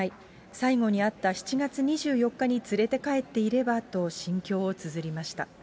最後に会った７月２４日に連れて帰っていればと心境をつづりました。